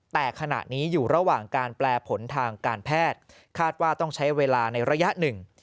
แต่ขณะนี้อยู่ระหว่างการแปลผลทางการแพทย์คาดว่าต้องใช้เวลาในระยะหนึ่ง